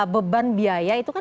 beban biaya itu kan